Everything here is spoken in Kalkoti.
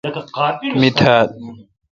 می تھال